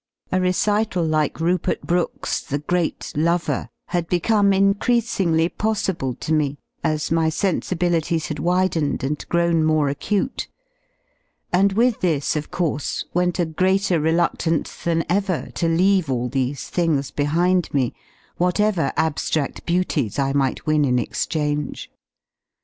A recital like Rupert Brooke's "The Great Lover" had become increas ngly possible to me as my sensibilities had widened and grown more acute; and with this, of course, went a greater reludlance than ever to leave all these things behind me, whatever ab^rad beauties I might win in exchange.